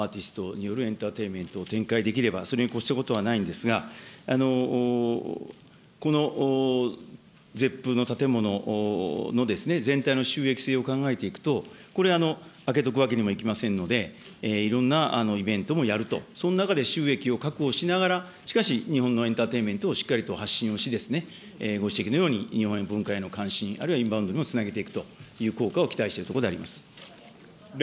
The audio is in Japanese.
もちろん、１００％日本のアーティストによるエンターテインメントを展開できればそれにこしたことはないんですが、このゼップの建物の全体の収益性を考えていくと、これ、空けとくわけにもいきませんので、いろんなイベントもやると、その中で収益を確保しながら、しかし日本のエンターテインメントをしっかりと発信をしですね、ご指摘のように、日本文化への関心、あるいはインバウンドにもつなげていくという効果を期待しているところであります。